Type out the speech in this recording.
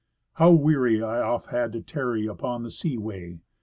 How weary I oft had to tarry upon the sea way!